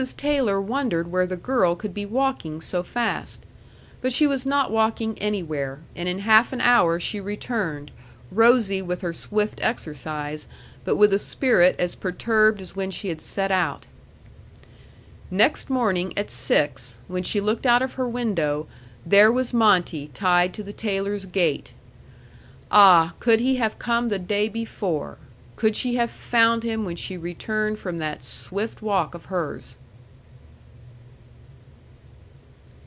Taylor wondered where the girl could be walking so fast. But she was not walking anywhere, and in half an hour she returned, rosy with her swift exercise, but with a spirit as perturbed as when she had set out. Next morning at six, when she looked out of her window, there was Monte tied to the Taylor's gate. Ah, could he have come the day before, could she have found him when she returned from that swift walk of hers!